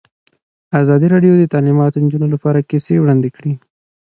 ازادي راډیو د تعلیمات د نجونو لپاره کیسې وړاندې کړي.